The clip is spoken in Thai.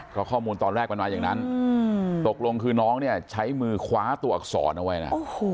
เพราะข้อมูลตอนแรกมันมาอย่างนั้นตกลงคือน้องเนี่ยใช้มือคว้าตัวอักษรเอาไว้นะ